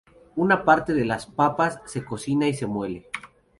Una parte de las papas se cocina y se muele.